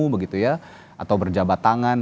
begitu ya atau berjabat tangan